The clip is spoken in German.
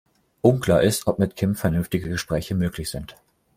Unklar ist, ob mit Kim vernünftige Gespräche möglich sind.